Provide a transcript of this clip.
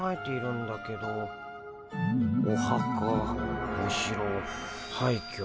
おはかおしろはいきょ